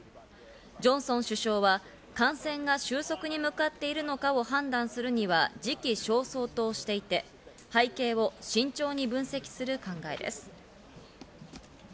ジョンソン首相は感染が収束に向かっているのかを判断するには時期尚早としていて、背景を慎重に分析する考えです。